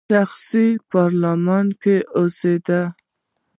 شخصي اپارتمان کې اوسېده.